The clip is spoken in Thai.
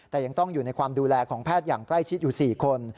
แต่ยังต้องอยู่ในความดูแลของแพทย์อย่างใกล้ชิดอยู่๔คน